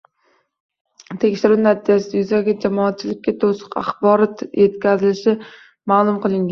Tekshiruv natijasi yuzasidan jamoatchilikka to‘liq axborot yetkazilishi ma’lum qilingan